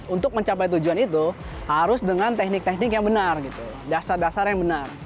untuk mencapai tujuan itu harus dengan teknik teknik yang benar dasar dasar yang benar